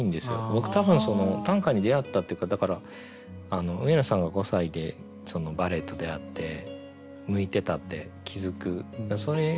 僕多分短歌に出会ったっていうかだから上野さんが５歳でバレエと出会って向いてたって気付くそれが僕短歌だったんですけど。